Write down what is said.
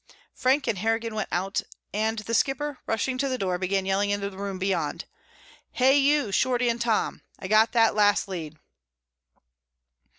Frank and Harrigan went out and The Skipper, rushing to the door, began yelling into the room beyond. "Hey, you Shorty and Tom, I've got that last lead."